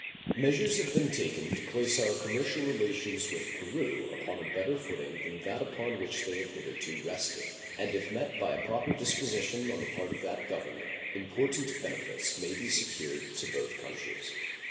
Measures have been taken to place our commercial relations with Peru upon a better footing than that upon which they have hitherto rested, and if met by a proper disposition on the part of that Government important benefits may be secured to both countries.